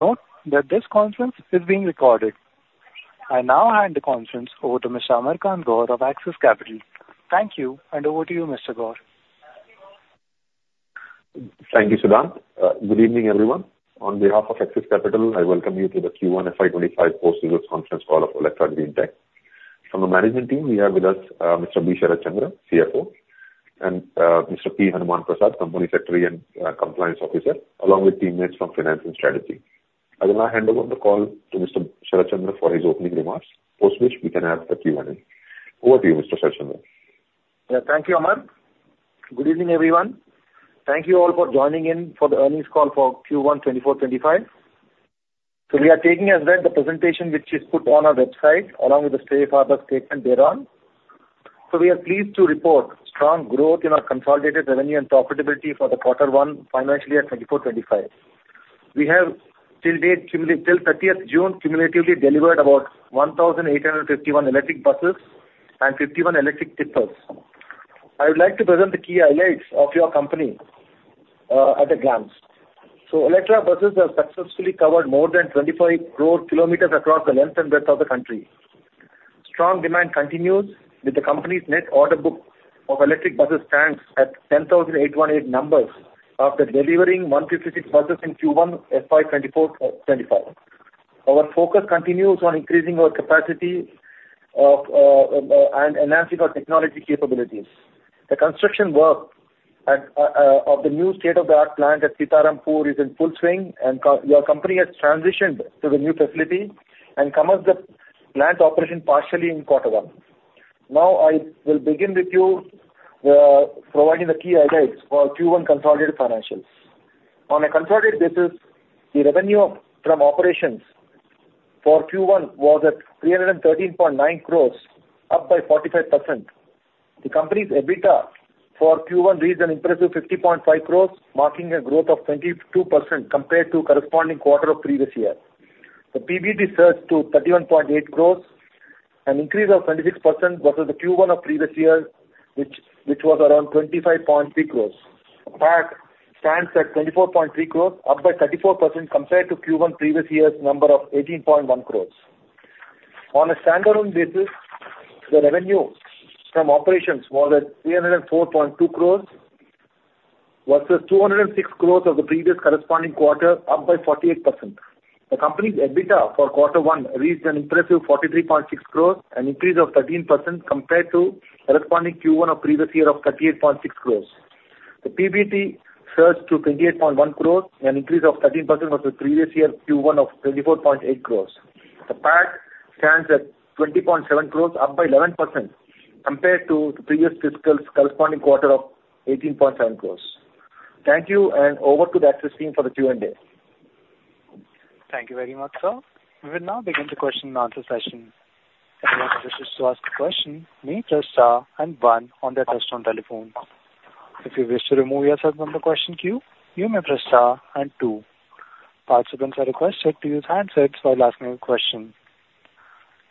Note that this conference is being recorded. I now hand the conference over to Mr. Amar Kant Gaur of Axis Capital. Thank you, and over to you, Mr. Gaur. Thank you, Sudhan. Good evening, everyone. On behalf of Axis Capital, I welcome you to the Q1 FY25 post results conference call of Olectra Greentech. From the management team, we have with us, Mr. B. Sharat Chandra, CFO, and, Mr. P. Hanuman Prasad, Company Secretary and Compliance Officer, along with teammates from Finance and Strategy. I will now hand over the call to Mr. Sharat Chandra for his opening remarks, after which we can have the Q&A. Over to you, Mr. Sharat Chandra. Yeah. Thank you, Amar. Good evening, everyone. Thank you all for joining in for the earnings call for Q1 2024-25. So we are taking as read the presentation, which is put on our website, along with the safe harbor statement thereon. So we are pleased to report strong growth in our consolidated revenue and profitability for the quarter one financial year 2024-25. We have till date, till thirtieth June, cumulatively delivered about 1,851 electric buses and 51 electric tippers. I would like to present the key highlights of your company, at a glance. So Olectra buses have successfully covered more than 25 crore kilometers across the length and breadth of the country. Strong demand continues, with the company's net order book of electric buses stands at 10,818 numbers after delivering 156 buses in Q1 FY 2024-25. Our focus continues on increasing our capacity of, and enhancing our technology capabilities. The construction work at, of the new state-of-the-art plant at Seetharampur is in full swing, and your company has transitioned to the new facility and commenced the plant's operation partially in quarter one. Now, I will begin with you, providing the key highlights for Q1 consolidated financials. On a consolidated basis, the revenue from operations for Q1 was at 313.9 crores, up by 45%. The company's EBITDA for Q1 reached an impressive 50.5 crores, marking a growth of 22% compared to corresponding quarter of previous year. The PBT surged to 31.8 crore, an increase of 26% versus the Q1 of previous year, which was around 25.3 crore. PAT stands at 24.3 crore, up by 34% compared to Q1 previous year's number of 18.1 crore. On a standalone basis, the revenue from operations was at 304.2 crore, versus 206 crore of the previous corresponding quarter, up by 48%. The company's EBITDA for quarter one reached an impressive 43.6 crore, an increase of 13% compared to corresponding Q1 of previous year of 38.6 crore. The PBT surged to 28.1 crore, an increase of 13% versus previous year Q1 of 24.8 crore. The PAT stands at 20.7 crores, up by 11% compared to the previous fiscal's corresponding quarter of 18.7 crores. Thank you, and over to the Axis team for the Q&A. Thank you very much, sir. We will now begin the question and answer session. If you wish to ask a question, you may press star and one on your touch-tone telephones. If you wish to remove yourself from the question queue, you may press star and two. Participants are requested to use handsets while asking a question.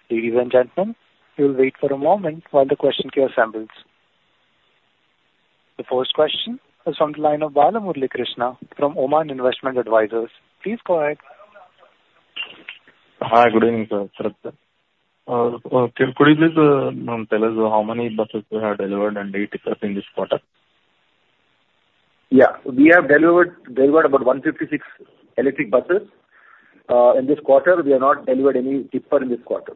Ladies and gentlemen, we will wait for a moment while the question queue assembles. The first question is on the line of Bala Murali Krishna from Oman Investment Advisors. Please go ahead. Hi, good evening, sir. So could you please tell us how many buses you have delivered and electric tippers in this quarter? Yeah, we have delivered about 156 electric buses. In this quarter, we have not delivered any tippers in this quarter.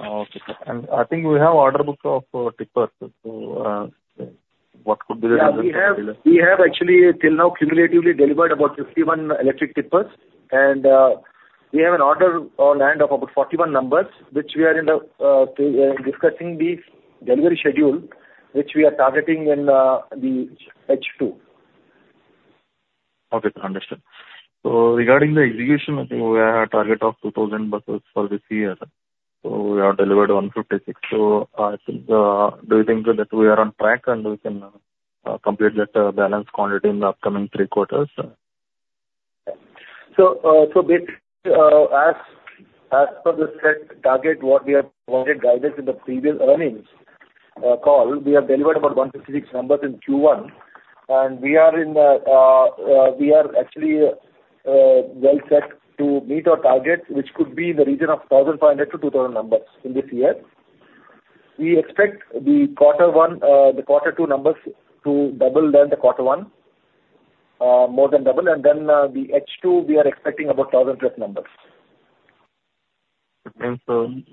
Okay. I think we have order book of tippers, so what could be the- Yeah, we have, we have actually till now cumulatively delivered about 51 electric tippers, and we have an order in hand of about 41 numbers, which we are in the discussing the delivery schedule, which we are targeting in the H2. Okay, understood. So regarding the execution, I think we have a target of 2,000 buses for this year. So we have delivered 156. So, I think, do you think that we are on track, and we can complete that balance quantity in the upcoming three quarters? So, as per the set target, what we have provided guidance in the previous earnings call, we have delivered about 156 numbers in Q1, and we are actually well set to meet our target, which could be in the region of 1,500 to 2,000 numbers in this year. We expect the quarter one, the quarter two numbers to double than the quarter one, more than double, and then the H2, we are expecting about 1,000+ numbers. It means, we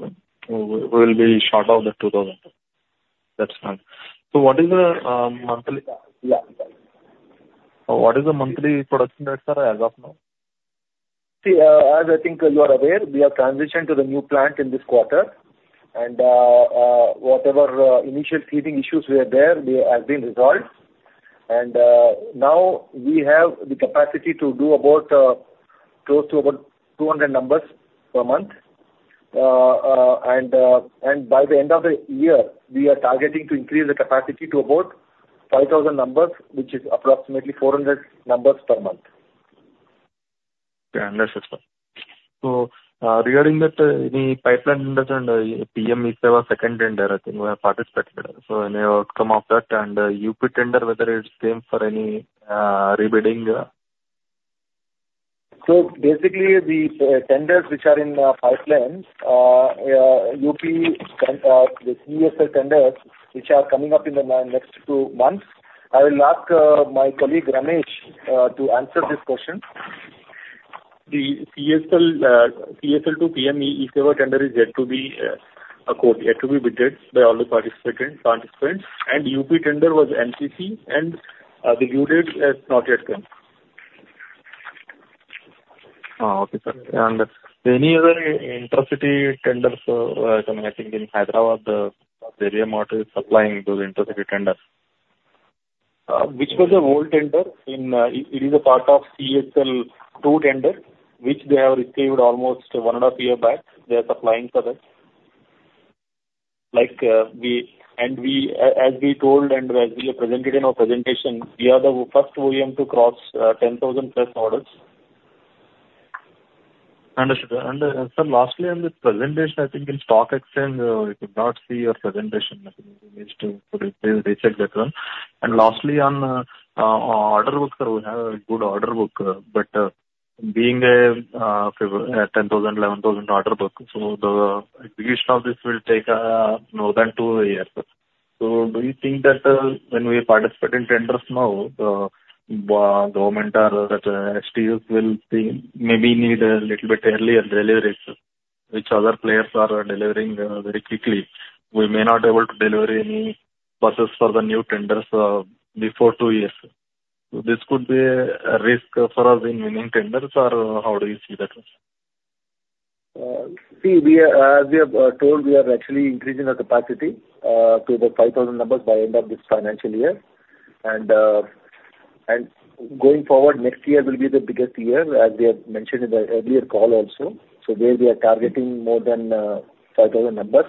will be short of the 2000. That's fine. So what is the monthly- Yeah. What is the monthly production rates are as of now? See, as I think you are aware, we have transitioned to the new plant in this quarter, and, whatever initial teething issues were there, they have been resolved. And, now we have the capacity to do about, close to about 200 numbers per month. And, and by the end of the year, we are targeting to increase the capacity to about 5,000 numbers, which is approximately 400 numbers per month. Yeah, understood. So, regarding that, any pipeline in the tender, PM-eBus Sewa second tender, I think we have participated. So any outcome of that, and UP tender, whether it's same for any rebidding? So basically, the tenders which are in the pipeline, UP, the CESL tenders, which are coming up in the next two months, I will ask my colleague, Ramesh, to answer this question. The CESL 2 PM-eBus Sewa tender is yet to be quoted, yet to be bidded by all the participating participants. UP tender was NTPC, and the results have not yet come. Oh, okay, sir. And any other intercity tenders coming? I think, in Hyderabad, the Evey model is supplying those intercity tenders. Which was the old tender? It is a part of CESL two tender, which they have received almost 1.5 year back. They are supplying for that. Like, as we told and as we have presented in our presentation, we are the first OEM to cross 10,000+ orders. Understood. Sir, lastly, on this presentation, I think in Stock Exchange we could not see your presentation. I think you need to recheck that one. Lastly, on order book, sir, we have a good order book, but being a 10,000, 11,000 order book, so the execution of this will take more than two years. So do you think that when we participate in tenders now, the government or the STUs will be, maybe need a little bit earlier deliveries, which other players are delivering very quickly. We may not be able to deliver any buses for the new tenders before two years. So this could be a risk for us in winning tenders, or how do you see that one? See, we are, as we have told, we are actually increasing our capacity to the 5,000 numbers by end of this financial year. Going forward, next year will be the biggest year, as we have mentioned in the earlier call also. So there we are targeting more than 5,000 numbers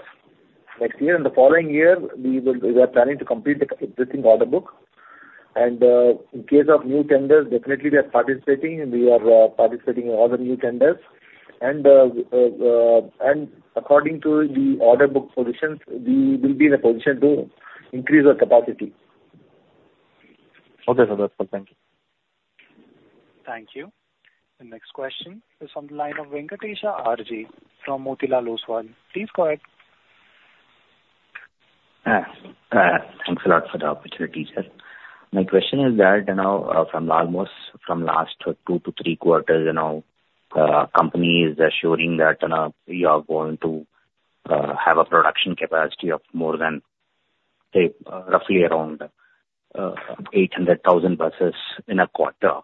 next year. In the following year, we will, we are planning to complete the existing order book. In case of new tenders, definitely we are participating, and we are participating in all the new tenders. According to the order book positions, we will be in a position to increase our capacity. Okay, sir. That's all. Thank you. Thank you. The next question is on the line of Venkatesha RJ from Motilal Oswal. Please go ahead. Thanks a lot for the opportunity, sir. My question is that, you know, from almost from last 2-3 quarters, you know, company is assuring that, we are going to, have a production capacity of more than, say, roughly around, 800,000 buses in a quarter.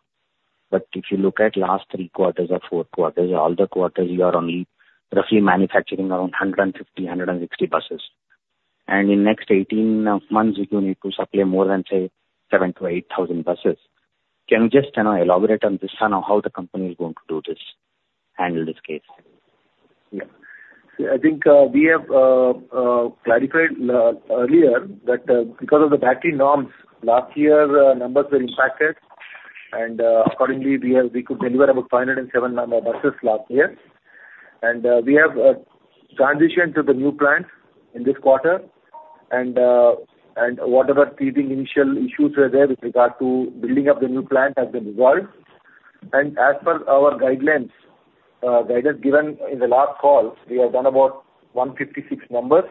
But if you look at last 3 quarters or 4 quarters, all the quarters, you are only roughly manufacturing around 150, 160 buses. And in next 18 months, you need to supply more than, say, 7,000-8,000 buses. Can you just, you know, elaborate on this one, on how the company is going to do this, handle this case? Yeah. I think we have clarified earlier that because of the battery norms, last year numbers were impacted. And accordingly, we could deliver about 507 number buses last year. And we have transitioned to the new plant in this quarter, and whatever teething initial issues were there with regard to building up the new plant has been resolved. And as per our guidance given in the last call, we have done about 156 numbers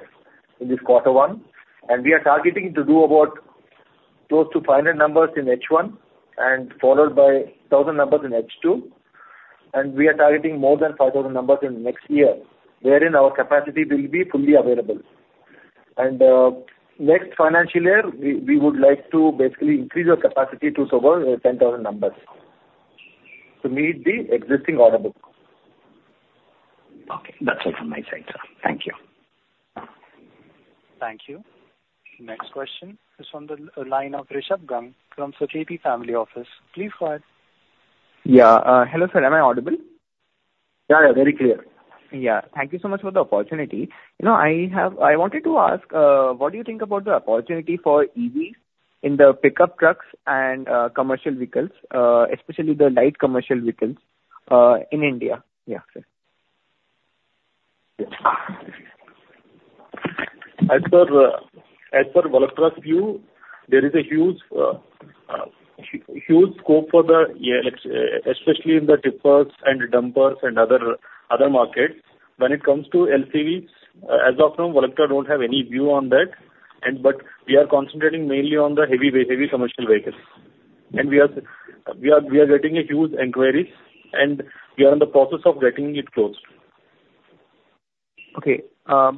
in this quarter one, and we are targeting to do about close to 500 numbers in H1 and followed by 1,000 numbers in H2. And we are targeting more than 5,000 numbers in next year, wherein our capacity will be fully available. Next financial year, we would like to basically increase our capacity to over 10,000 numbers to meet the existing order book. Okay, that's all from my side, sir. Thank you. Thank you. Next question is on the line of Rishabh Gang from Sancheti Family Office. Please go ahead. Yeah. Hello, sir. Am I audible? Yeah, yeah, very clear. Yeah. Thank you so much for the opportunity. You know, I have, I wanted to ask, what do you think about the opportunity for EVs in the pickup trucks and commercial vehicles, especially the light commercial vehicles, in India? Yeah, sure. Yes. As per our view, there is a huge scope for the especially in the tippers and dumpers and other markets. When it comes to LCV, as of now, we don't have any view on that, but we are concentrating mainly on the heavy commercial vehicles. And we are getting huge inquiries, and we are in the process of getting it closed. Okay, are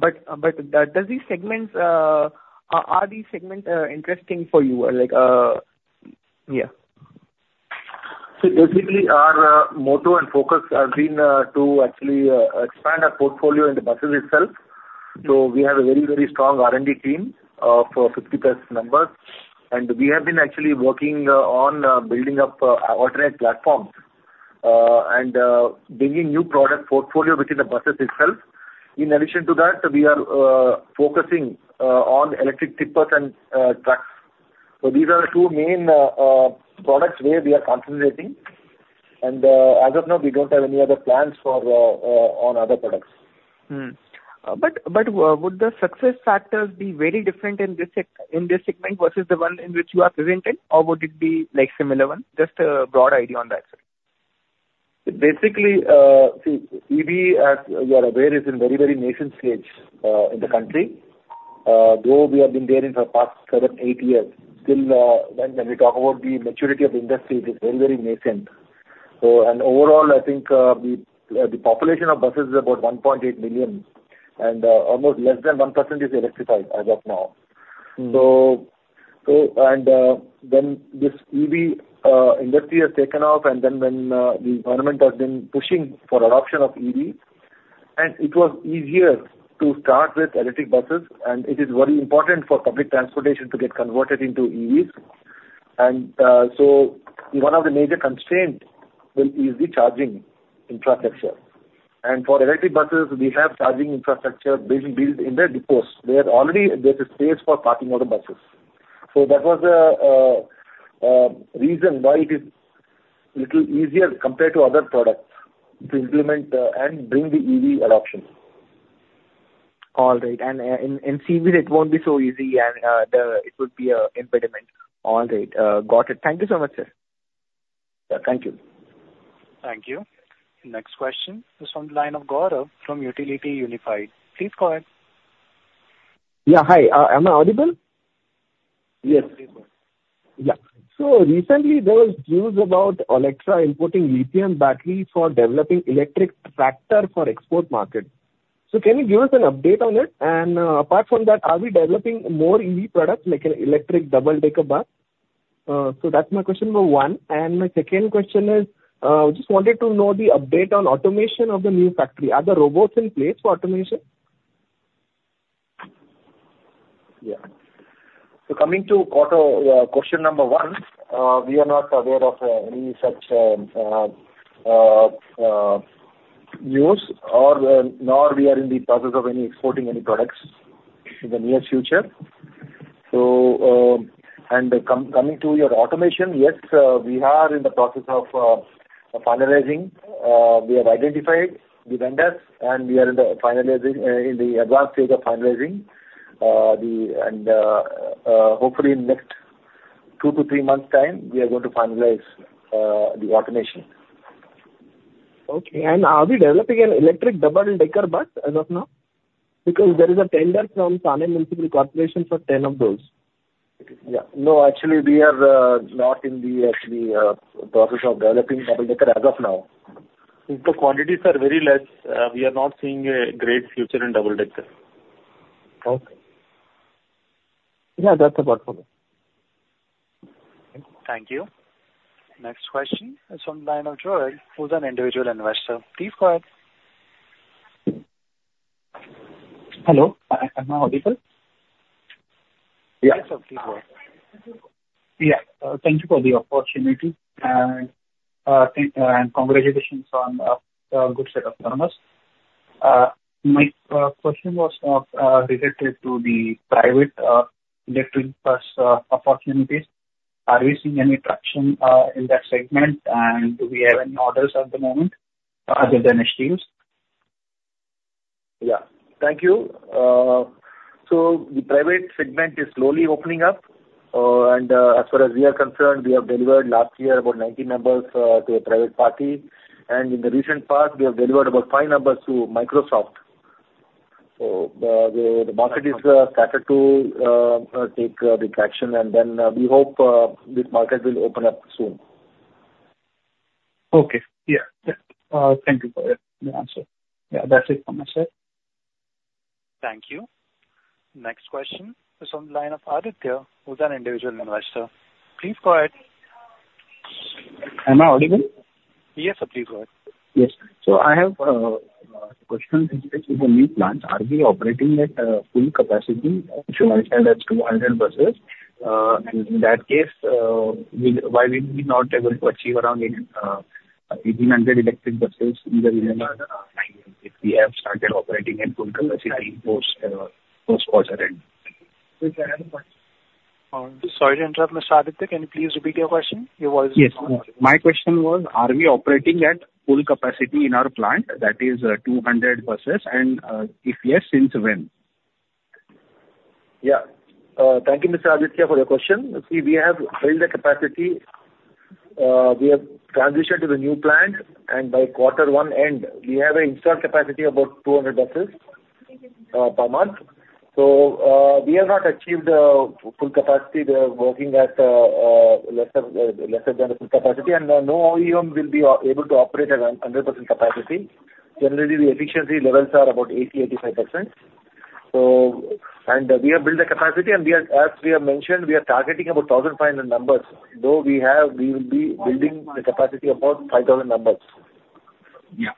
these segments interesting for you? Like... Yeah. So basically, our motto and focus have been to actually expand our portfolio in the buses itself. So we have a very, very strong R&D team of 50+ members. And we have been actually working on building up alternate platforms and bringing new product portfolio within the buses itself. In addition to that, we are focusing on electric tippers and trucks. So these are the two main products where we are concentrating, and as of now, we don't have any other plans for on other products. But would the success factors be very different in this segment versus the one in which you are present in? Or would it be like similar one? Just a broad idea on that, sir. Basically, see, EV, as you are aware, is in very, very nascent stage, in the country. Though we have been there in the past 7-8 years, still, when we talk about the maturity of the industry, it is very, very nascent. So, and overall, I think, the population of buses is about 1.8 billion, and, almost less than 1% is electrified as of now. Mm. So, then this EV industry has taken off, and then when the government has been pushing for adoption of EV, and it was easier to start with electric buses, and it is very important for public transportation to get converted into EVs. So one of the major constraint will is the charging infrastructure. And for electric buses, we have charging infrastructure built in the depots. They are already, there's a space for parking all the buses. So that was the reason why it is little easier compared to other products to implement and bring the EV adoption. All right, and CV, it won't be so easy, and the, it would be a impediment. All right, got it. Thank you so much, sir. Yeah, thank you. Thank you. Next question is from the line of Gaurav from Unifi Capital. Please go ahead. Yeah, hi. Am I audible? Yes. Yeah. So recently there was news about Olectra importing lithium batteries for developing electric tractor for export market. So can you give us an update on it? And, apart from that, are we developing more EV products, like an electric double decker bus? So that's my question number one, and my second question is, just wanted to know the update on automation of the new factory. Are the robots in place for automation? Yeah. So coming to auto, question number 1, we are not aware of any such news or nor we are in the process of any exporting any products in the near future. So, and coming to your automation, yes, we are in the process of finalizing. We have identified the vendors, and we are in the finalizing, in the advanced stage of finalizing the and, hopefully in next 2-3 months' time, we are going to finalize the automation. Okay. And are we developing an electric double decker bus as of now? Because there is a tender from Thane Municipal Corporation for 10 of those. Yeah. No, actually, we are not in the process of developing double-decker as of now. The quantities are very less. We are not seeing a great future in double-decker. Okay. Yeah, that's about all. Thank you. Next question is from the line of Joel, who's an individual investor. Please go ahead. Hello, am I audible? Yes. Yes, sir. Please go ahead. Yeah, thank you for the opportunity, and congratulations on a good set of numbers. My question was related to the private electric bus opportunities. Are we seeing any traction in that segment, and do we have any orders at the moment, other than STUs? Yeah. Thank you. So the private segment is slowly opening up, and, as far as we are concerned, we have delivered last year about 90 numbers to a private party. And in the recent past, we have delivered about 5 numbers to Microsoft. So the market has started to take the traction, and then we hope this market will open up soon. Okay. Yeah, yeah. Thank you for your, the answer. Yeah, that's it from my side. Thank you. Next question is on the line of Aditya, who's an individual investor. Please go ahead. Am I audible? Yes, sir, please go ahead. Yes. So I have a question related to the new plant. Are we operating at full capacity, which you mentioned as 200 buses? And in that case, why we will be not able to achieve around 1,800 electric buses in the year, if we have started operating at full capacity post-quarter end? Sorry to interrupt, Mr. Aditya. Can you please repeat your question? Your voice is- Yes. My question was, are we operating at full capacity in our plant, that is, 200 buses? If yes, since when? Yeah. Thank you, Mr. Aditya, for your question. See, we have built the capacity. We have transitioned to the new plant, and by quarter one end, we have an installed capacity about 200 buses per month. So, we have not achieved full capacity. We are working at lesser than the full capacity, and no OEM will be able to operate at 100% capacity. Generally, the efficiency levels are about 80%-85%. So, and we have built the capacity, and we are, as we have mentioned, we are targeting about 1,500 numbers, though we have, we will be building the capacity about 5,000 numbers. Yeah.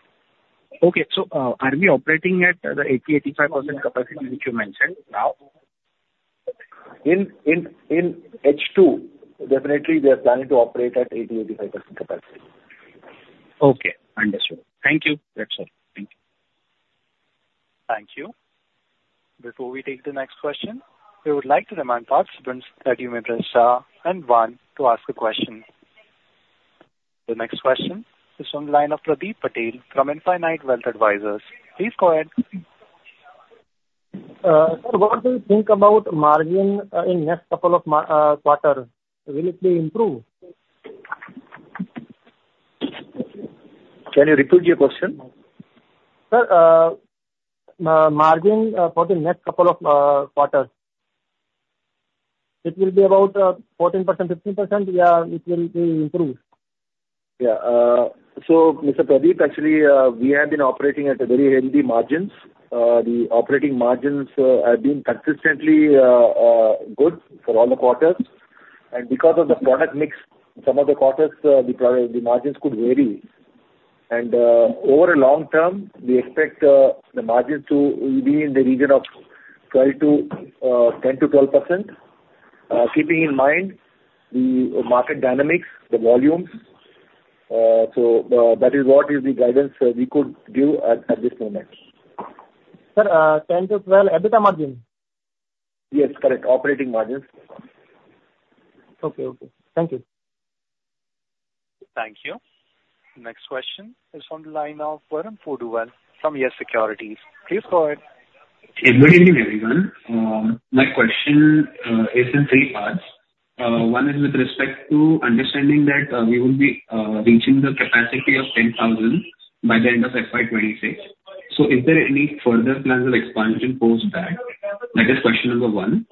Okay, so, are we operating at the 80%-85% capacity, which you mentioned now? In H2, definitely we are planning to operate at 80%-85% capacity. Okay, understood. Thank you. That's all. Thank you.... Thank you. Before we take the next question, we would like to remind participants that you may press star and one to ask a question. The next question is from the line of Pradeep Patel from Infinite Wealth Advisors. Please go ahead. Sir, what do you think about margin in next couple of quarter? Will it be improved? Can you repeat your question? Sir, margin for the next couple of quarters. It will be about 14%-15%, or it will be improved? Yeah. So Mr. Pradeep, actually, we have been operating at a very healthy margins. The operating margins have been consistently good for all the quarters. And because of the product mix, some of the quarters, the margins could vary. And over a long term, we expect the margins to be in the region of 12 to 10 to 12%, keeping in mind the market dynamics, the volumes. So that is what is the guidance we could give at this moment. Sir, 10-12 EBITDA margin? Yes, correct. Operating margins. Okay. Okay. Thank you. Thank you. Next question is on the line of Varun Poduval from Yes Securities. Please go ahead. Good evening, everyone. My question is in three parts. One is with respect to understanding that we will be reaching the capacity of 10,000 by the end of FY 2026. So is there any further plans of expansion post that? That is question number one.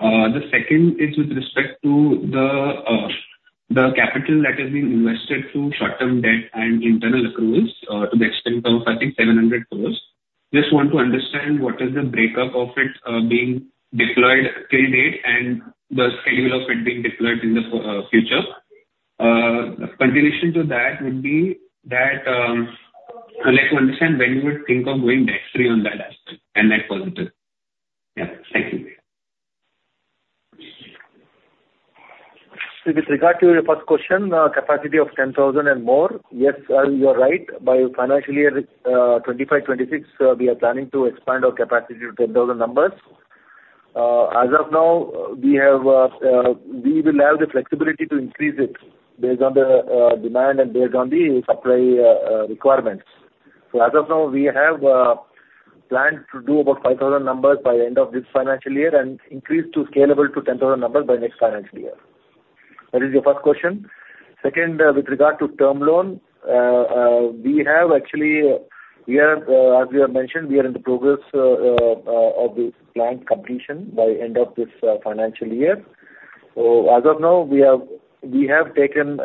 The second is with respect to the capital that is being invested through short-term debt and internal accruals to the extent of, I think, 700 crore. Just want to understand what is the breakup of it being deployed till date and the schedule of it being deployed in the future. Continuation to that would be that, I'd like to understand when you would think of debt-free on that aspect and that positive. Yeah. Thank you. So with regard to your first question, capacity of 10,000 and more, yes, you are right. By financial year 2025, 2026, we are planning to expand our capacity to 10,000 numbers. As of now, we have the flexibility to increase it based on the demand and based on the supply requirements. So as of now, we have planned to do about 5,000 numbers by end of this financial year and increase to scalable to 10,000 numbers by next financial year. That is your first question. Second, with regard to term loan, we have actually we are as we have mentioned we are in the progress of the planned completion by end of this financial year. So as of now, we have taken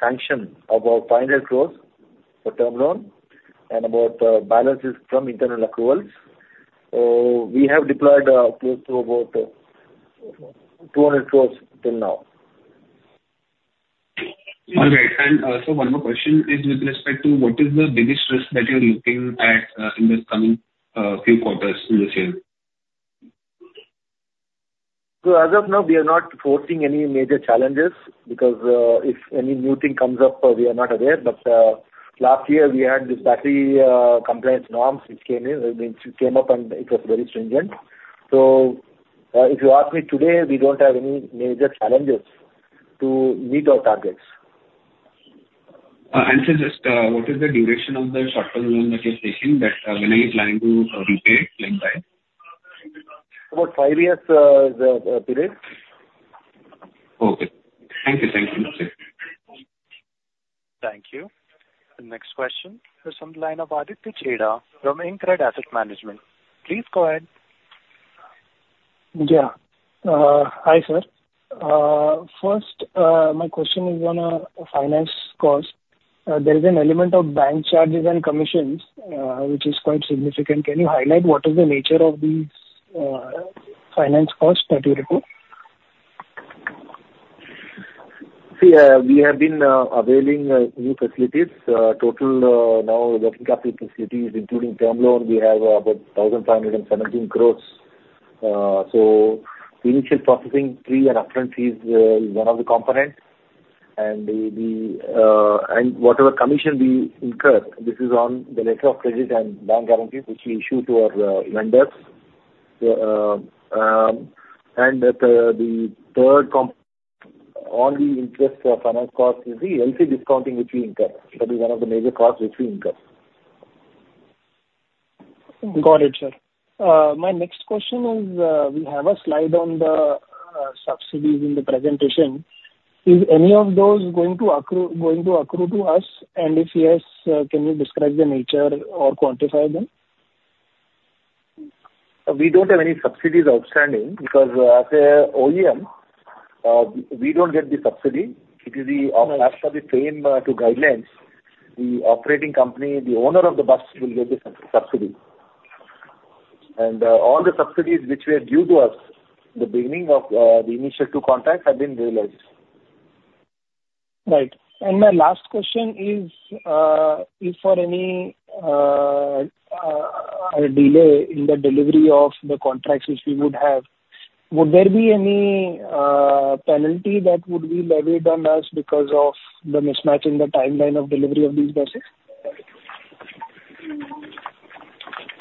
sanction about INR 500 crore for term loan and about balances from internal accruals. We have deployed close to about 200 crore till now. All right. One more question is with respect to what is the biggest risk that you're looking at in the coming few quarters in the sale? So as of now, we are not foresee any major challenges because, if any new thing comes up, we are not aware. But, last year we had this battery, compliance norms, which came in, means came up, and it was very stringent. So, if you ask me today, we don't have any major challenges to meet our targets. Sir, just what is the duration of the short-term loan that you're taking that when are you planning to repay, timeline? About five years, the period. Okay. Thank you. Thank you. Thank you. The next question is from the line of Aditya Chheda from InCred Asset Management. Please go ahead. Yeah. Hi, sir. First, my question is on finance cost. There is an element of bank charges and commissions, which is quite significant. Can you highlight what is the nature of these finance costs that you report? See, we have been availing new facilities. Total now working capital facilities, including term loan, we have about 1,517 crores. So the initial processing fee and upfront fees is one of the components. And whatever commission we incur, this is on the letter of credit and bank guarantees, which we issue to our vendors. So, and the third component only interest or finance cost is the LC discounting, which we incur. That is one of the major costs which we incur. Got it, sir. My next question is, we have a slide on the subsidies in the presentation. Is any of those going to accrue, going to accrue to us? And if yes, can you describe the nature or quantify them? We don't have any subsidies outstanding, because, as a OEM, we don't get the subsidy. It is, as per the same, two guidelines, the operating company, the owner of the bus will get the subsidy. And, all the subsidies which were due to us in the beginning of, the initial two contracts have been realized. Right. My last question is, if for any delay in the delivery of the contracts which you would have- ...Would there be any penalty that would be levied on us because of the mismatch in the timeline of delivery of these buses?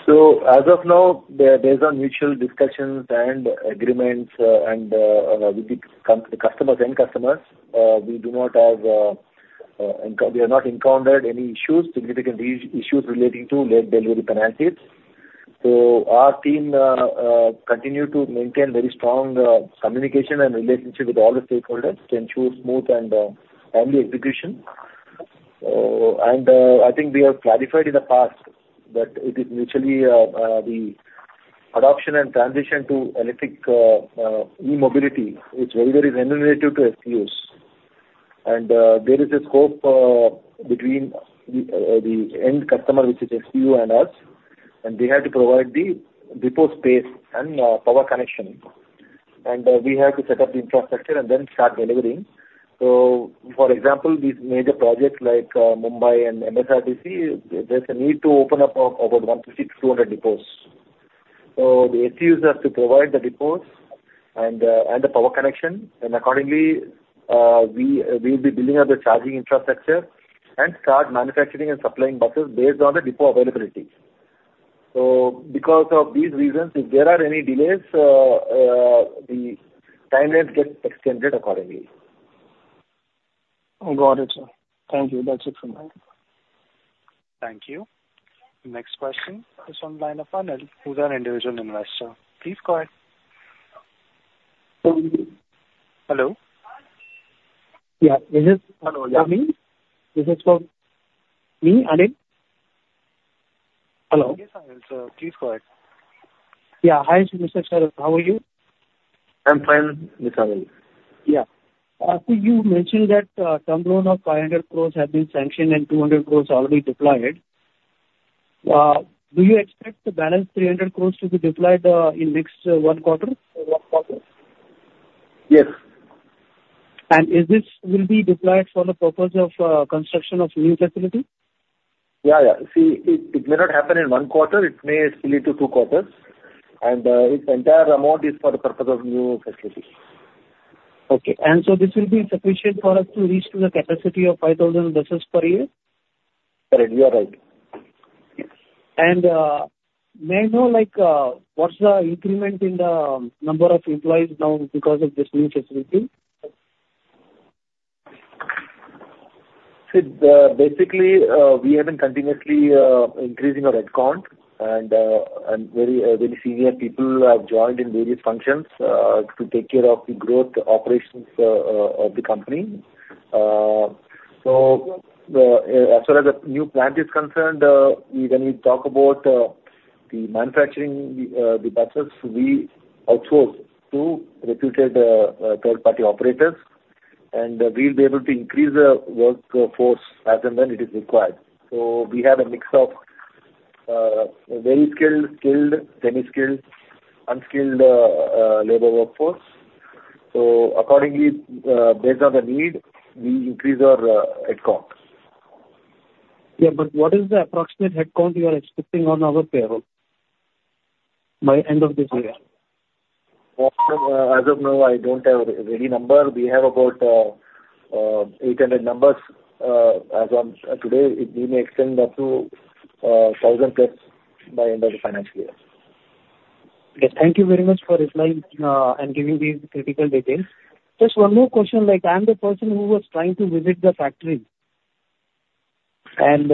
So as of now, there's mutual discussions and agreements, and with the customers, end customers. We have not encountered any issues, significant issues relating to late delivery penalties. So our team continue to maintain very strong communication and relationship with all the stakeholders to ensure smooth and timely execution. And I think we have clarified in the past that it is mutually the adoption and transition to electric e-mobility is very, very innovative to STUs. And there is a scope between the end customer, which is STU and us, and they have to provide the depot space and power connection. And we have to set up the infrastructure and then start delivering. So, for example, these major projects like Mumbai and MSRTC, there's a need to open up about 150-200 depots. So the STU's have to provide the depots and the, and the power connection, and accordingly, we, we'll be building up the charging infrastructure and start manufacturing and supplying buses based on the depot availability. So because of these reasons, if there are any delays, the timelines get extended accordingly. Got it, sir. Thank you. That's it from my end. Thank you. Next question is on the line of Anil, who's an individual investor. Please go ahead. Hello? Yeah, this is- Hello. Anil. This is for me, Anil? Hello. Yes, Anil, sir. Please go ahead. Yeah. Hi, Mr. Sharat. How are you? I'm fine, Anil. Yeah. So you mentioned that term loan of 500 crore have been sanctioned and 200 crore already deployed. Do you expect the balance 300 crore to be deployed in next one quarter or one quarter? Yes. Is this will be deployed for the purpose of construction of new facility? Yeah, yeah. See, it may not happen in one quarter, it may spill into two quarters. And its entire amount is for the purpose of new facility. Okay. And so this will be sufficient for us to reach to the capacity of 5,000 buses per year? Correct. You are right. May I know, like, what's the increment in the number of employees now because of this new facility? See, basically, we have been continuously increasing our headcount, and very senior people have joined in various functions to take care of the growth operations of the company. So, as far as the new plant is concerned, when we talk about manufacturing the buses, we outsource to reputed third-party operators, and we'll be able to increase the workforce as and when it is required. So we have a mix of very skilled, semi-skilled, unskilled labor workforce. So accordingly, based on the need, we increase our headcount. Yeah, but what is the approximate headcount you are expecting on our payroll by end of this year? As of now, I don't have the ready number. We have about 800 numbers as on today. It may extend up to 1,000+ by end of the financial year. Okay. Thank you very much for replying and giving me critical details. Just one more question, like, I'm the person who was trying to visit the factory, and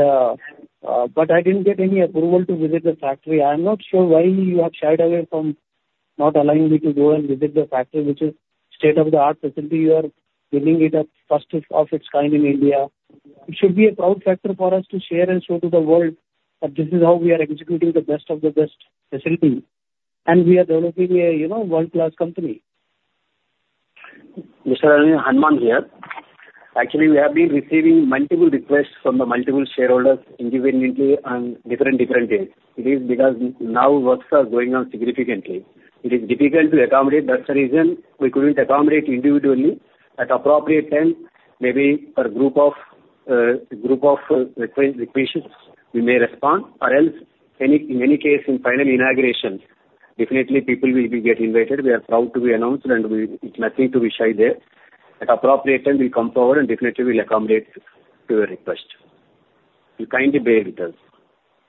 but I didn't get any approval to visit the factory. I'm not sure why you have shied away from not allowing me to go and visit the factory, which is state-of-the-art facility. You are building it up first of its kind in India. It should be a proud factor for us to share and show to the world that this is how we are executing the best of the best facility, and we are developing a, you know, world-class company. Mr. Anil, Hanuman here. Actually, we have been receiving multiple requests from the multiple shareholders independently on different, different days. It is because now works are going on significantly. It is difficult to accommodate. That's the reason we couldn't accommodate individually. At appropriate time, maybe per group of, group of, request, requests, we may respond. Or else, any, in any case, in final inauguration, definitely people will be get invited. We are proud to be announced, and we... It's nothing to be shy there. At appropriate time, we'll come forward, and definitely we'll accommodate to your request. You kindly bear with us.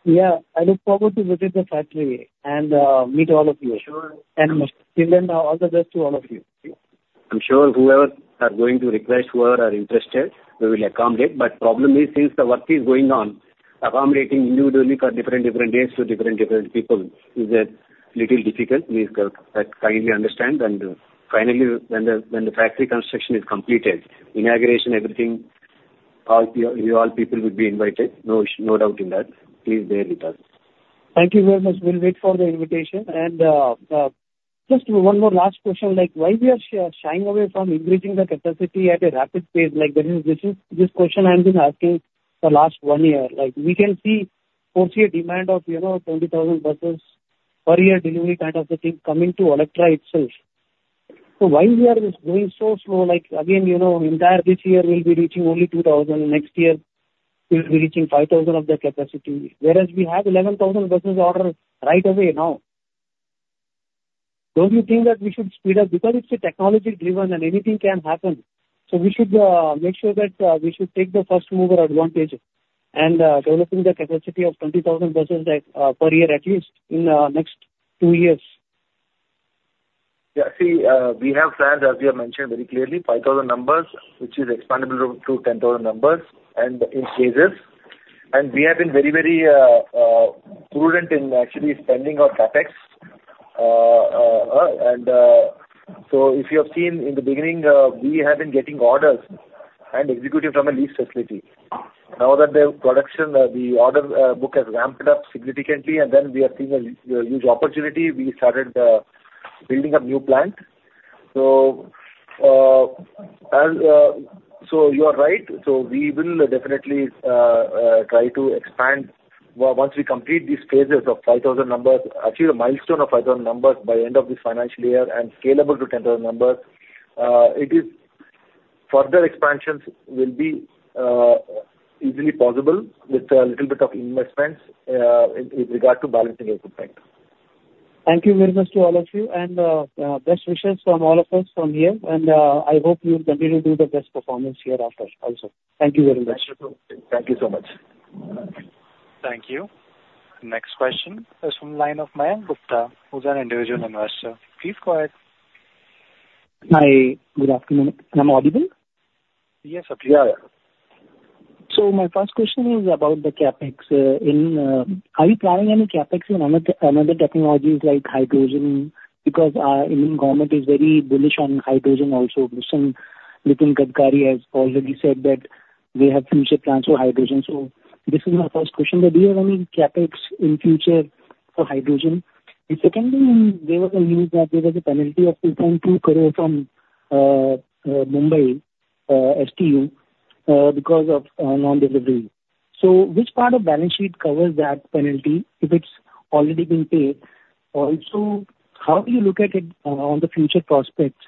Yeah, I look forward to visit the factory and meet all of you. Sure. Wish all the best to all of you. I'm sure whoever are going to request, whoever are interested, we will accommodate. But problem is, since the work is going on, accommodating individually for different, different dates to different, different people is a little difficult. Please, kindly understand, and finally, when the factory construction is completed, inauguration, everything, all you, you all people will be invited. No, no doubt in that. Please bear with us. Thank you very much. We'll wait for the invitation. And just one more last question, like, why we are shying away from increasing the capacity at a rapid pace? Like, this is, this question I have been asking for the last one year. Like, we can see foresee a demand of, you know, 20,000 buses per year, delivery kind of a thing, coming to Olectra itself. So why we are just going so slow? Like, again, you know, entire this year, we'll be reaching only 2,000, next year we will be reaching 5,000 of that capacity, whereas we have 11,000 buses order right away now. Don't you think that we should speed up? Because it's a technology driven and anything can happen, so we should make sure that we should take the first mover advantage and developing the capacity of 20,000 buses per year, at least in next two years. Yeah, see, we have plans, as we have mentioned very clearly, 5,000 numbers, which is expandable to 10,000 numbers and in phases. And we have been very, very prudent in actually spending our CapEx. And, so if you have seen in the beginning, we have been getting orders and executing from a lease facility. Now that the production, the order book has ramped up significantly and then we are seeing a huge opportunity, we started building a new plant. So, and, so you are right. So we will definitely try to expand once we complete these phases of 5,000 numbers, achieve a milestone of 5,000 numbers by end of this financial year and scalable to 10,000 numbers. It is, further expansions will be easily possible with a little bit of investments with regard to balancing equipment. Thank you very much to all of you, and, best wishes from all of us from here. And, I hope you will continue to do the best performance hereafter also. Thank you very much. Thank you so much. Thank you. Next question is from the line of Mayank Gupta, who's an individual investor. Please go ahead. Hi, good afternoon. Am I audible? Yes, you are. So my first question is about the CapEx. Are you planning any CapEx in another, another technologies like hydrogen? Because our Indian government is very bullish on hydrogen also. Nitin Gadkari has already said that they have future plans for hydrogen. So this is my first question: Do you have any CapEx in future for hydrogen? The second thing, there was a news that there was a penalty of INR 2.2 crore from Mumbai STU because of non-delivery. So which part of balance sheet covers that penalty, if it's already been paid? Also, how do you look at it on the future prospects?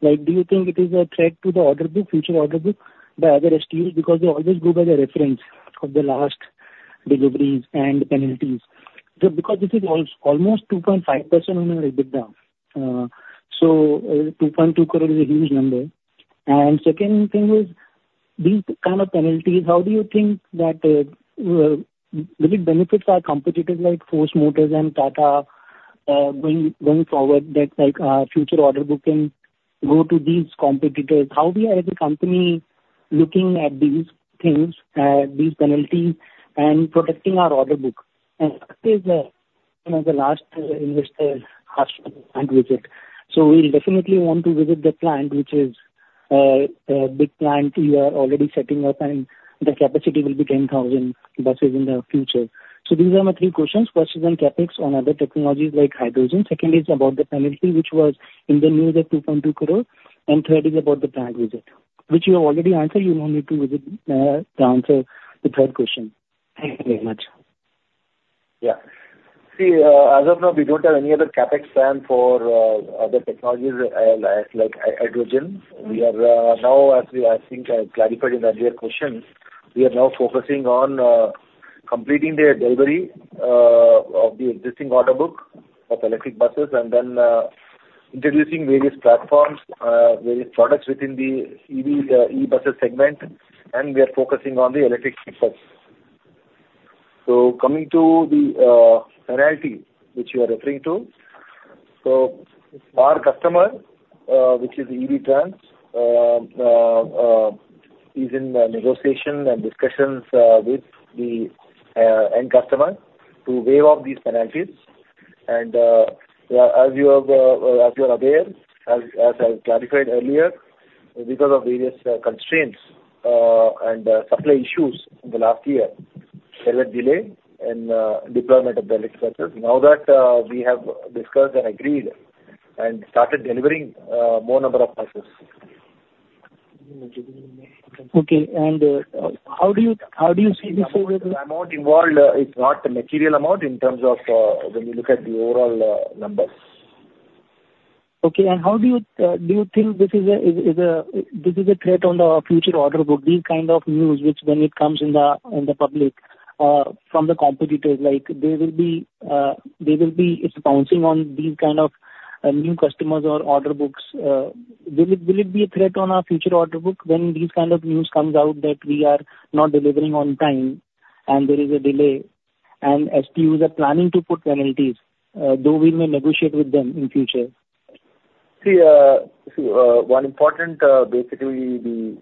Like, do you think it is a threat to the order book, future order book, the other STUs, because they always go by the reference of the last deliveries and penalties. So because this is almost 2.5% on your EBITDA, so, 2.2 crore is a huge number. And second thing is, these kind of penalties, how do you think that, will it benefit our competitors like Force Motors and Tata, going forward, that, like, our future order book can go to these competitors? How we as a company looking at these things, these penalties and protecting our order book? And third is, you know, the last investor plant visit. So we definitely want to visit the plant, which is, a big plant you are already setting up, and the capacity will be 10,000 buses in the future. So these are my three questions. First is on CapEx on other technologies like hydrogen. Second is about the penalty, which was in the news at 2.2 crore. And third is about the plant visit, which you have already answered. You don't need to visit to answer the third question. Thank you very much. Yeah. See, as of now, we don't have any other CapEx plan for other technologies, like hydrogen. We are now, as we have, I think, clarified in the earlier questions, focusing on completing the delivery of the existing order book of electric buses and then introducing various platforms, various products within the EV, E-buses segment, and we are focusing on the electric e-buses. So coming to the penalty, which you are referring to. So our customer, which is Evey Trans, is in negotiation and discussions with the end customer to waive off these penalties. As you are aware, as I've clarified earlier, because of various constraints and supply issues in the last year, there were delay in deployment of the electric buses. Now that we have discussed and agreed and started delivering more number of buses. Okay. And, how do you, how do you see this? The amount involved is not a material amount in terms of, when you look at the overall, numbers. Okay. And how do you think this is a threat on the future order book? These kind of news, which when it comes in the public from the competitors. It's pouncing on these kind of new customers or order books. Will it be a threat on our future order book when these kind of news comes out that we are not delivering on time and there is a delay, and STUs are planning to put penalties, though we may negotiate with them in future? See, so one important, basically the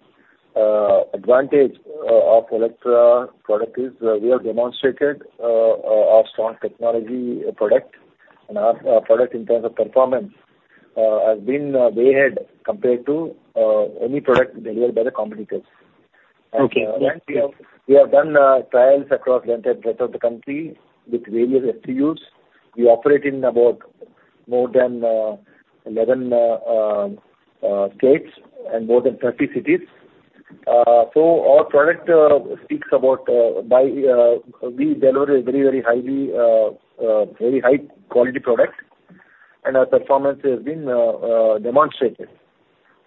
advantage of Olectra product is, we have demonstrated our strong technology product, and our product in terms of performance has been way ahead compared to any product delivered by the competitors. Okay. And we have done trials across the entire rest of the country with various STUs. We operate in about more than 11 states and more than 30 cities. So our product speaks about by we deliver a very very highly very high quality product and our performance has been demonstrated.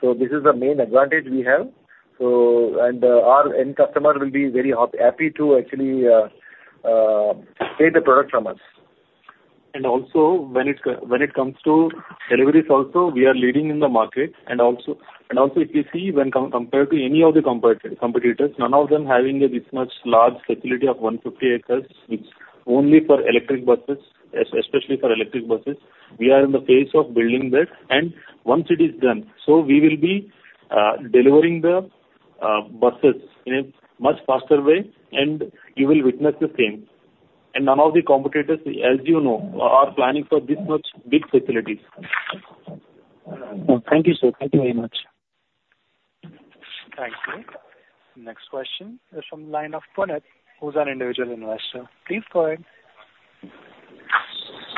So this is the main advantage we have. So, and our end customer will be very happy to actually take the product from us. And also when it comes to deliveries also, we are leading in the market. And also, and also, if you see when compared to any of the competitors, none of them having this much large facility of 150 acres, which only for electric buses, especially for electric buses. We are in the phase of building that, and once it is done, so we will be delivering the buses in a much faster way, and you will witness the same. And none of the competitors, as you know, are planning for this much big facilities. Thank you, sir. Thank you very much. Thank you. Next question is from the line of Kunal, who's an individual investor. Please go ahead.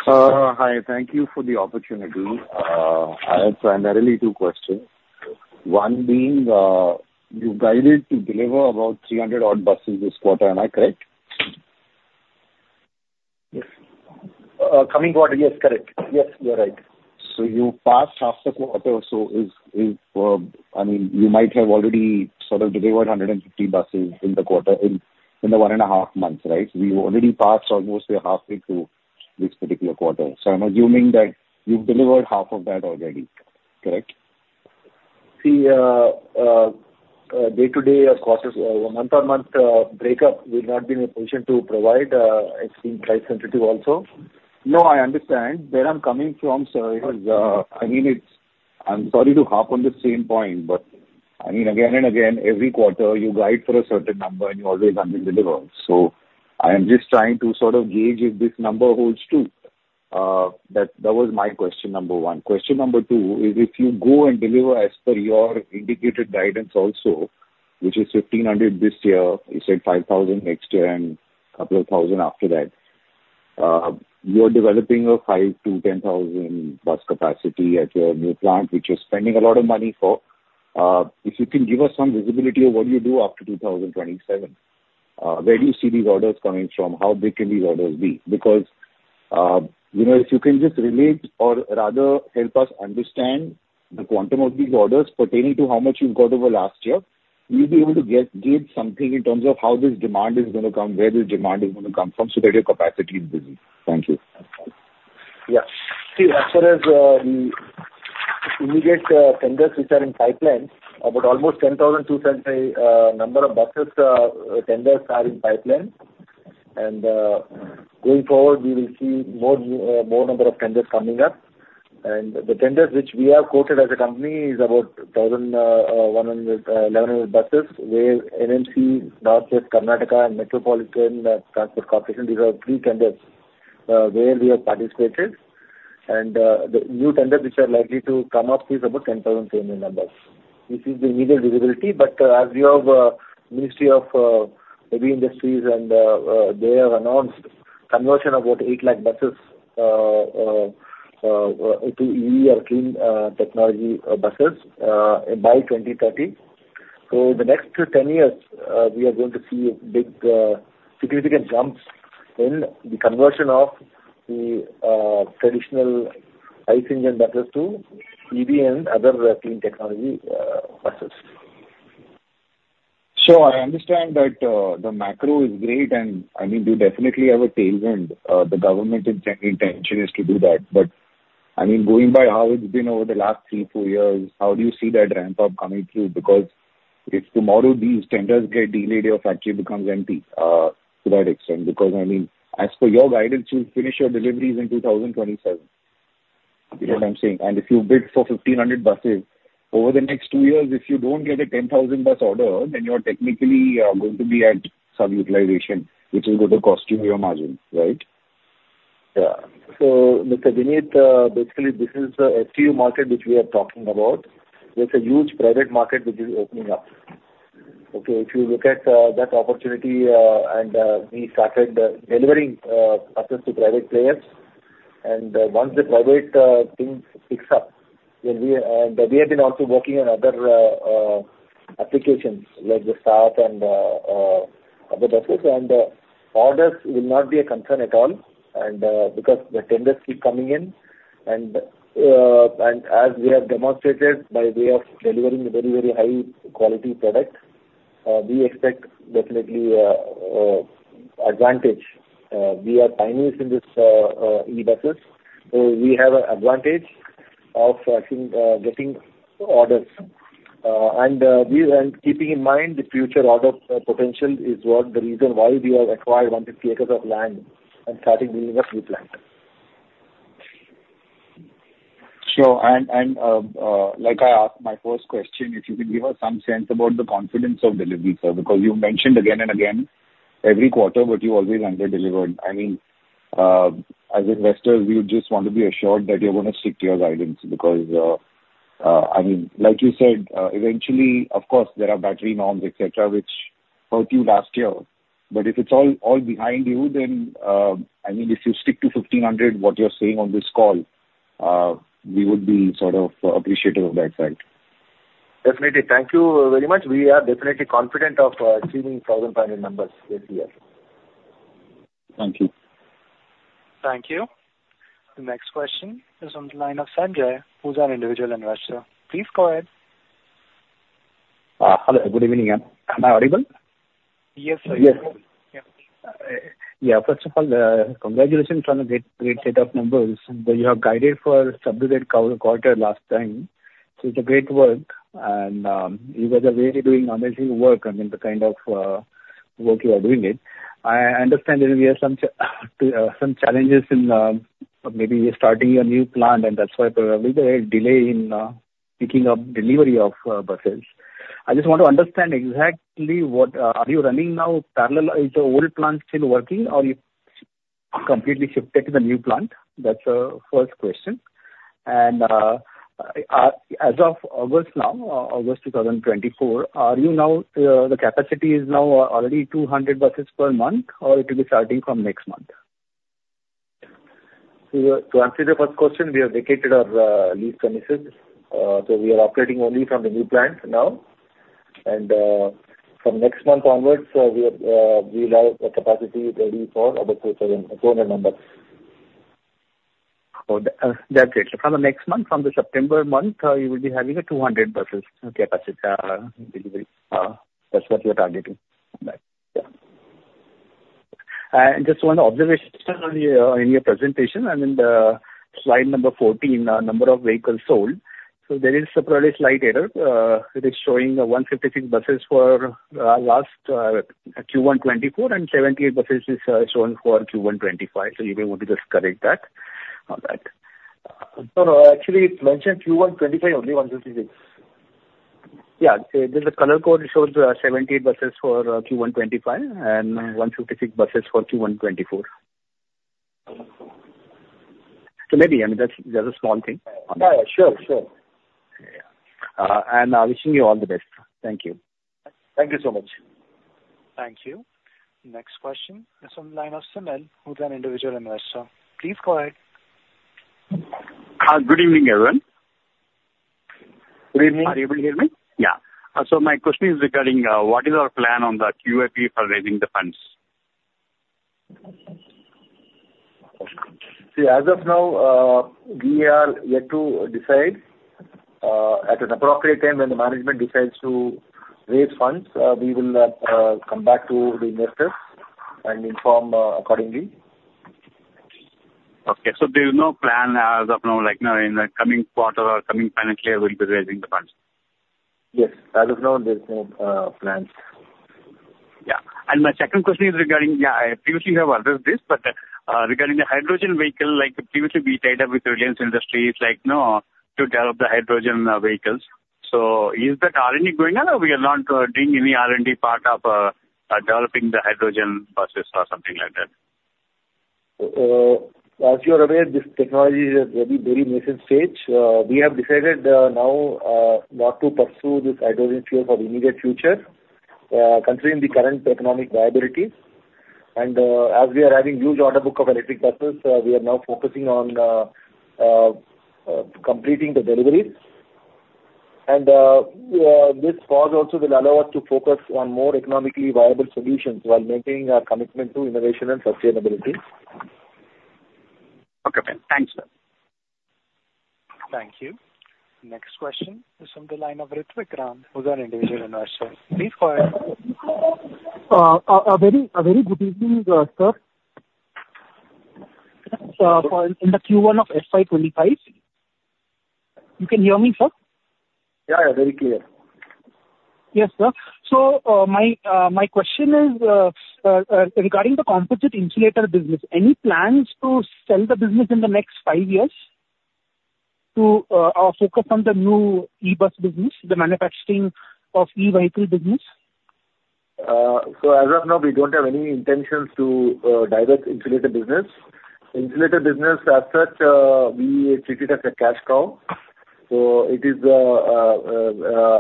Hi. Thank you for the opportunity. I have primarily two questions. One being, you guided to deliver about 300 odd buses this quarter. Am I correct? Yes. Coming quarter. Yes, correct. Yes, you are right. So you passed half the quarter, so I mean, you might have already sort of delivered 150 buses in the quarter in the one and a half months, right? We already passed almost halfway through this particular quarter. So I'm assuming that you've delivered half of that already, correct? See, day-to-day or quarters or month-on-month, breakup, we've not been in a position to provide, it's been price sensitive also. No, I understand. Where I'm coming from, sir, is, I mean, it's—I'm sorry to harp on the same point, but I mean, again and again, every quarter, you guide for a certain number, and you always under-deliver. So I am just trying to sort of gauge if this number holds true. That was my question number one. Question number two is, if you go and deliver as per your indicated guidance also, which is 1,500 this year, you said 5,000 next year, and couple of thousand after that, you are developing a 5,000-10,000 bus capacity at your new plant, which you're spending a lot of money for. If you can give us some visibility of what you do after 2027, where do you see these orders coming from? How big can these orders be? Because, you know, if you can just relate or rather help us understand the quantum of these orders pertaining to how much you've got over last year, we'll be able to get, gauge something in terms of how this demand is gonna come, where this demand is gonna come from, so that your capacity is busy. Thank you. Yeah. See, as far as the immediate tenders which are in pipeline, about almost 10,200 number of buses, tenders are in pipeline. And going forward, we will see more number of tenders coming up. And the tenders which we have quoted as a company is about 1,100 buses, where NMC, North Western Karnataka and Metropolitan Transport Corporation, these are three tenders where we have participated. And the new tenders which are likely to come up is about 10,010 in numbers. This is the immediate visibility, but the Ministry of Heavy Industries and they have announced conversion of about 800,000 buses to EV or clean technology buses by 2030. The next 10 years, we are going to see a big, significant jumps in the conversion of the traditional ICE engine buses to EV and other clean technology buses. So I understand that, the macro is great, and, I mean, we definitely have a tail end. The government intention is to do that. But, I mean, going by how it's been over the last 3-4 years, how do you see that ramp up coming through? Because if tomorrow these tenders get delayed, your factory becomes empty, to that extent. Because, I mean, as per your guidance, you'll finish your deliveries in 2027. Is what I'm saying. And if you bid for 1,500 buses, over the next two years, if you don't get a 10,000-bus order, then you are technically going to be at sub-utilization, which is going to cost you your margin, right? Yeah. So, Mr. Vineet, basically, this is a STU market, which we are talking about. There's a huge private market which is opening up. Okay, if you look at that opportunity, and we started delivering buses to private players. And once the private things picks up, then we have been also working on other applications like the staff and other buses. And orders will not be a concern at all, and because the tenders keep coming in, and as we have demonstrated by way of delivering a very, very high quality product, we expect definitely advantage. We are pioneers in this e-buses, so we have an advantage of, I think, getting orders. Keeping in mind the future order potential is what the reason why we have acquired 100 acres of land and starting building a new plant. Sure. Like I asked my first question, if you can give us some sense about the confidence of delivery, sir, because you mentioned again and again, every quarter, but you always under-delivered. I mean, as investors, we would just want to be assured that you're going to stick to your guidance, because, I mean, like you said, eventually, of course, there are battery norms, et cetera, which hurt you last year. But if it's all behind you, then, I mean, if you stick to 1,500, what you're saying on this call, we would be sort of appreciative of that fact. Definitely. Thank you very much. We are definitely confident of achieving 1,500 numbers this year. Thank you. Thank you. The next question is on the line of Sanjay, who's an individual investor. Please go ahead. Hello, good evening. Am I audible? Yes, sir. Yes. Yeah, first of all, congratulations on a great, great set of numbers that you have guided for subdued quarter last time. So it's a great work, and, you guys are really doing amazing work, I mean, the kind of, work you are doing it. I understand that we have some challenges in, maybe you're starting a new plant, and that's why probably the delay in, picking up delivery of, buses. I just want to understand exactly what-- Are you running now parallel? Is the old plant still working, or you've completely shifted to the new plant? That's the first question. And, as of August now, August 2024, are you now, the capacity is now already 200 buses per month, or it will be starting from next month? So to answer the first question, we have vacated our lease premises. So we are operating only from the new plant now. And from next month onwards, we will have a capacity ready for about 2,200 numbers. Oh, that's it. So from the next month, from the September month, you will be having a 200-bus capacity delivery. That's what you are targeting? Right. Yeah. Just one observation on your, in your presentation, and in the slide number 14, Number of Vehicles Sold. So there is probably a slight error. It is showing 156 buses for last Q1 2024, and 78 buses is shown for Q1 2025. So you may want to just correct that. All right. No, no. Actually, it's mentioned Q1 2025, only 156. Yeah. There's a color code that shows, 70 buses for Q1 2025 and 156 buses for Q1 2024. Maybe, I mean, that's, that's a small thing. Yeah, sure, sure. Yeah. I'm wishing you all the best. Thank you. Thank you so much. Thank you. Next question is on the line of Sunil, who's an individual investor. Please go ahead. Good evening, everyone. Good evening. Are you able to hear me? Yeah. So my question is regarding what is our plan on the QIP for raising the funds? See, as of now, we are yet to decide. At an appropriate time when the management decides to raise funds, we will come back to the investors and inform accordingly. Okay. There is no plan as of now, like, you know, in the coming quarter or coming financial year, we'll be raising the funds? Yes. As of now, there's no plans. Yeah. And my second question is regarding... Yeah, I previously have asked this, but, regarding the hydrogen vehicle, like previously, we tied up with Reliance Industries, like, you know, to develop the hydrogen vehicles. So is that R&D going on, or we are not doing any R&D part of developing the hydrogen buses or something like that? As you are aware, this technology is at a very nascent stage. We have decided now not to pursue this hydrogen fuel for the immediate future, considering the current economic viability. As we are having huge order book of electric buses, we are now focusing on completing the deliveries. This pause also will allow us to focus on more economically viable solutions while maintaining our commitment to innovation and sustainability. Okay, fine. Thanks, sir. Thank you. Next question is on the line of Ritwik Ram, who's an individual investor. Please go ahead. A very, a very good evening, sir. So in the Q1 of FY 25... You can hear me, sir? Yeah, yeah, very clear. Yes, sir. So, my question is regarding the composite insulator business, any plans to sell the business in the next five years to or focus on the new e-bus business, the manufacturing of e-vehicle business? So as of now, we don't have any intentions to divest insulator business. Insulator business, as such, we treat it as a cash cow, so it is,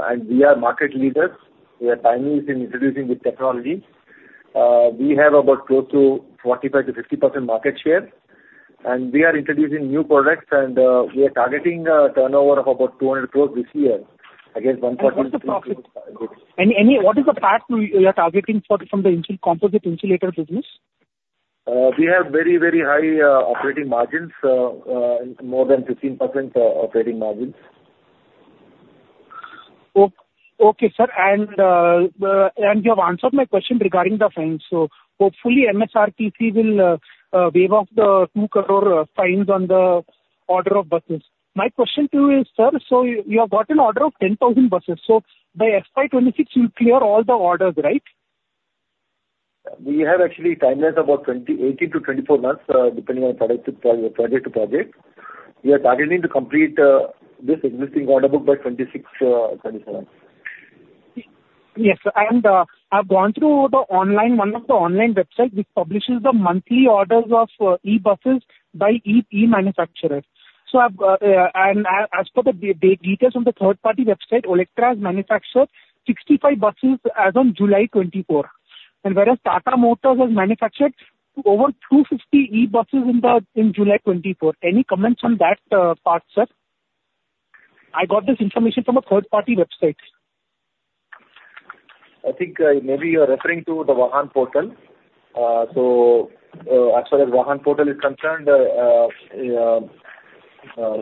and we are market leaders. We are pioneers in introducing the technology. We have about close to 45%-50% market share, and we are introducing new products, and we are targeting a turnover of about 200 crore this year, against 140- What's the profit? What is the profit we are targeting for, from the composite insulator business? We have very, very high operating margins, more than 15% operating margins. Okay, sir. And you have answered my question regarding the fines. So hopefully, MSRTC will waive off the 2 crore fines on the order of buses. My question to you is, sir, so you have got an order of 10,000 buses, so by FY 2026, you'll clear all the orders, right? We have actually timelines about 18 to 24 months, depending on project to project, project to project. We are targeting to complete this existing order book by 2026, 2027. Yes, and I've gone through the online, one of the online websites which publishes the monthly orders of e-buses by e-manufacturers. So I've, and as per the details on the third-party website, Olectra has manufactured 65 buses as of July 2024, and whereas Tata Motors has manufactured over 250 e-buses in July 2024. Any comments on that part, sir? I got this information from a third-party website. I think, maybe you are referring to the Vahan portal. So, as far as Vahan portal is concerned,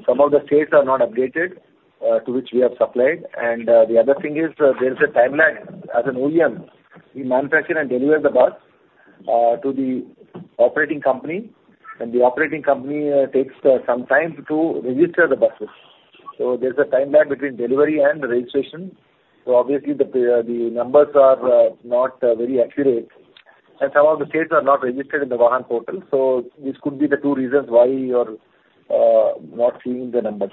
some of the states are not updated, to which we have supplied. And, the other thing is, there is a timeline. As an OEM, we manufacture and deliver the bus, to the operating company, and the operating company, takes, some time to register the buses. So there's a timeline between delivery and registration. So obviously, the numbers are, not, very accurate, and some of the states are not registered in the Vahan portal. So these could be the two reasons why you are, not seeing the numbers.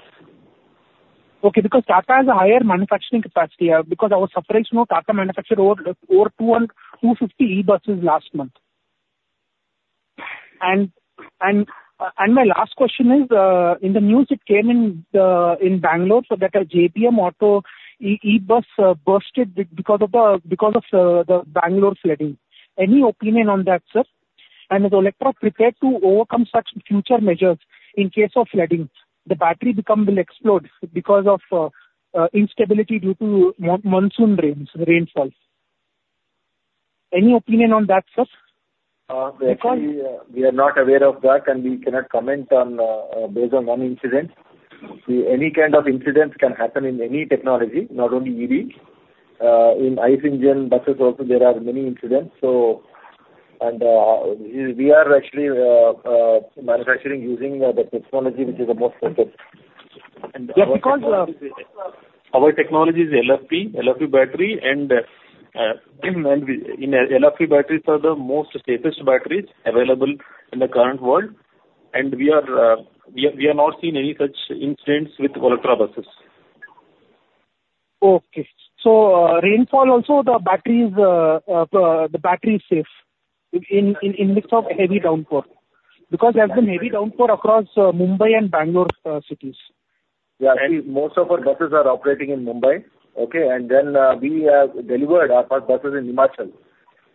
Okay, because Tata has a higher manufacturing capacity, because I was surprised to know Tata manufactured over 200 and 250 e-buses last month. And my last question is, in the news, it came in the, in Bengaluru, so that a JBM Auto e-bus burst because of the, because of, the Bengaluru flooding. Any opinion on that, sir? And is Olectra prepared to overcome such future measures in case of flooding? The battery will explode because of, instability due to monsoon rains, the rainfalls. Any opinion on that, sir? Actually, we are not aware of that, and we cannot comment on based on one incident. Any kind of incidents can happen in any technology, not only EV. In ICE engine buses also there are many incidents, so... And, we are actually manufacturing using the technology, which is the most safest. Yes, because, Our technology is LFP, LFP battery, and, and in LFP batteries are the most safest batteries available in the current world, and we are, we have, we have not seen any such incidents with Olectra buses. Okay. So, rainfall also the batteries, the battery is safe in case of heavy downpour, because there's been heavy downpour across Mumbai and Bengaluru cities. Yeah, actually, most of our buses are operating in Mumbai, okay? And then, we have delivered our first buses in Himachal,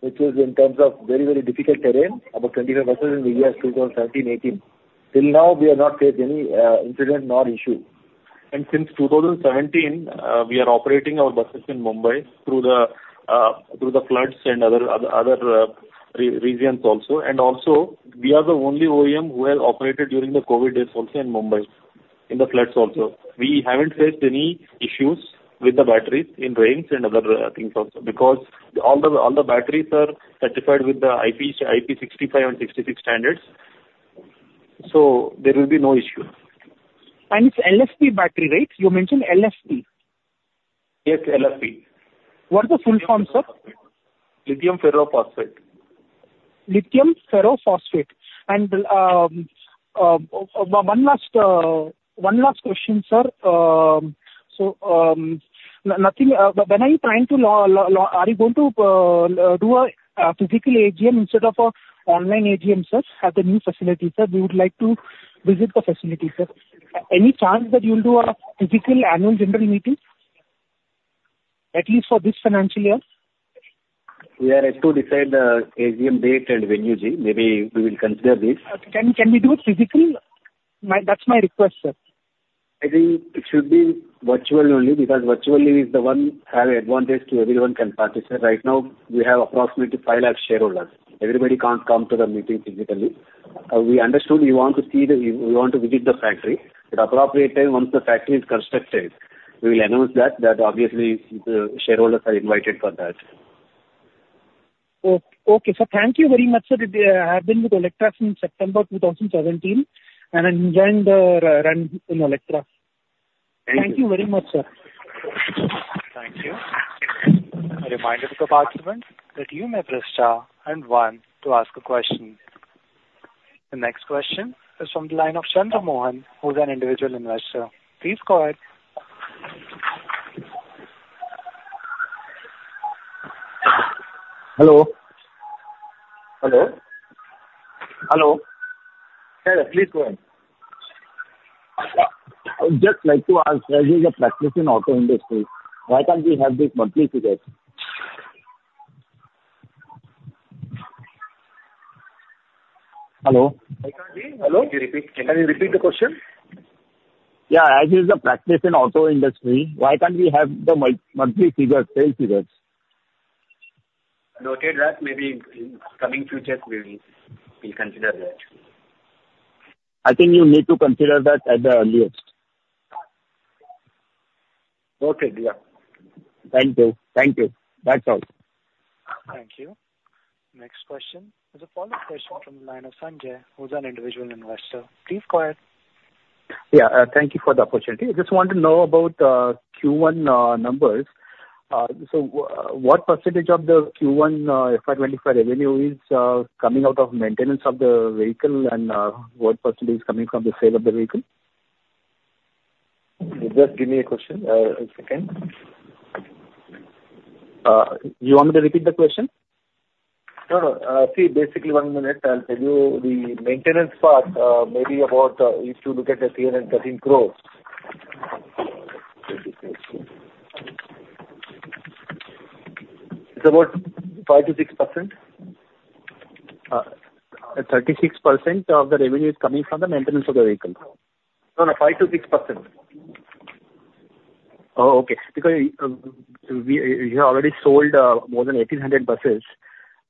which is in terms of very, very difficult terrain, about 25 buses in the year 2017-18. Till now, we have not faced any incident nor issue. And since 2017, we are operating our buses in Mumbai through the floods and other regions also. And also, we are the only OEM who have operated during the COVID days also in Mumbai, in the floods also. We haven't faced any issues with the batteries in rains and other things also, because all the batteries are certified with the IP65 and IP66 standards, so there will be no issue. It's LFP battery, right? You mentioned LFP. Yes, LFP. What's the full form, sir? Lithium ferro phosphate. Lithium ferro phosphate. One last question, sir. Are you going to do a physical AGM instead of an online AGM, sir, at the new facility, sir? We would like to visit the facility, sir. Any chance that you will do a physical annual general meeting, at least for this financial year? We are yet to decide the AGM date and venue, Ji. Maybe we will consider this. Can we do it physically? My, that's my request, sir. I think it should be virtually only, because virtually is the one have advantage to everyone can participate. Right now, we have approximately 500,000 shareholders. Everybody can't come to the meeting physically. We understood you want to see the... You want to visit the factory. At appropriate time, once the factory is constructed, we will announce that, that obviously the shareholders are invited for that. Okay, sir. Thank you very much, sir. I have been with Olectra since September 2017, and I enjoyed the run in Olectra. Thank you. Thank you very much, sir. Thank you. A reminder to the participants, that you may press star and one to ask a question. The next question is from the line of Chandramohan, who is an individual investor. Please go ahead. Hello? Hello. Hello. Yeah, please go ahead. I would just like to ask, as is the practice in auto industry, why can't we have these monthly figures? Hello? Hello. Can you repeat? Can you repeat the question? Yeah. As is the practice in auto industry, why can't we have the monthly figures, sales figures? Noted that. Maybe in coming future, we'll consider that. I think you need to consider that at the earliest. Noted. Yeah. Thank you. Thank you. That's all. Thank you. Next question is a follow-up question from the line of Sanjay, who's an individual investor. Please go ahead. Yeah, thank you for the opportunity. I just want to know about Q1 numbers. So what percentage of the Q1 FY 25 revenue is coming out of maintenance of the vehicle and what percentage is coming from the sale of the vehicle? Just give me a question, a second. You want me to repeat the question? No, no. See, basically, one minute, I'll tell you the maintenance part, maybe about, if you look at the CNN, INR 13 crore. It's about 5%-6%. 36% of the revenue is coming from the maintenance of the vehicle? No, no, 5%-6%. Oh, okay. Because you have already sold more than 1,800 buses,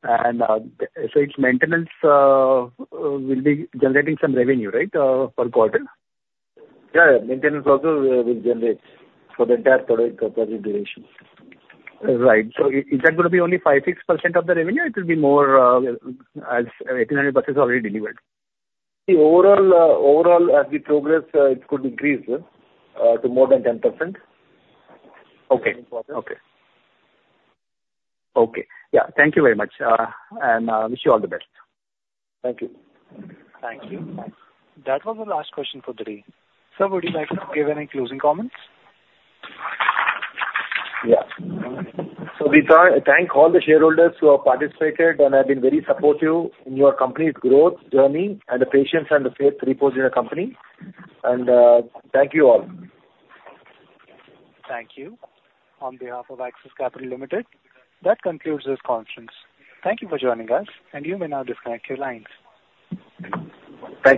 and so its maintenance will be generating some revenue, right, per quarter? Yeah, maintenance also will generate for the entire product duration. Right. So is that going to be only 5-6% of the revenue? It will be more, as 1,800 buses already delivered. The overall, as we progress, it could increase to more than 10%. Okay. Okay. Okay, yeah. Thank you very much, and wish you all the best. Thank you. Thank you. That was the last question for today. Sir, would you like to give any closing comments? Yeah. We thank all the shareholders who have participated and have been very supportive in your company's growth journey, and the patience and the faith reposed in the company. Thank you all. Thank you. On behalf of Axis Capital Limited, that concludes this conference. Thank you for joining us, and you may now disconnect your lines. Thank you.